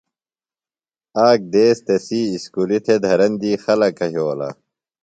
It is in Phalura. آ ک دیس تسی اُسکُلیۡ تھےۡ دھرندی خلکہ یھولہ۔